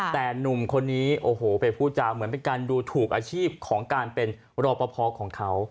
แต่หนุ่มคนนี้โอ้โหไปพูดจาเหมือนเป็นการดูถูกอาชีพของการเป็นรอปภของเขา